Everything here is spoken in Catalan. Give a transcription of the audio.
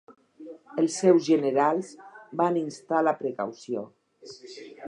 Els seus generals van instar la precaució.